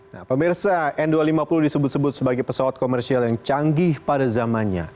nah pemirsa n dua ratus lima puluh disebut sebut sebagai pesawat komersial yang canggih pada zamannya